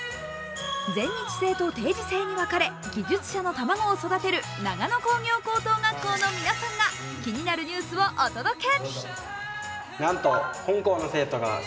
全日制と定時制に分かれ技術者の卵を育てる長野工業高等学校の皆さんが気になるニュースをお届け。